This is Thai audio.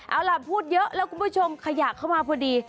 เอาล่ะพูดเยอะแล้วคุณผู้ชมขยะเข้ามาพอดี